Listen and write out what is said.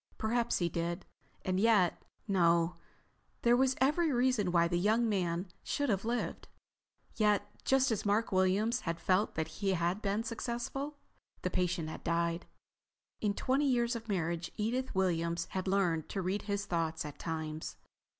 Perhaps he did. And yet—No, there was every reason why the young man should have lived. Yet, just as Mark Williams had felt that he had been successful, the patient had died. In twenty years of marriage, Edith Williams had learned to read his thoughts at times.